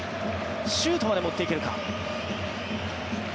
シュートまで持っていけるか。